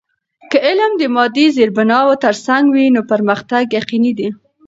که علم د مادی زیربناوو ترڅنګ وي، نو پرمختګ یقینی دی.